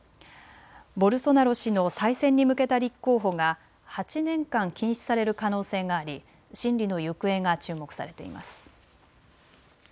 ボルソナロ氏の再選に向けた立候補が８年間、禁止される可能性があり審理の行方が注目されています。